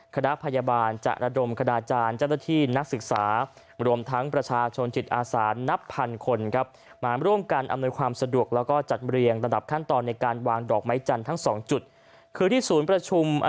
คณะพยาบาลจระดมคณะอาจารย์จัตรฐีนักศึกษา